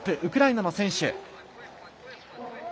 ウクライナの選手。